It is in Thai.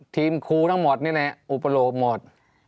ทีมครูทั้งหมดนี่แหละอุปโลกหมด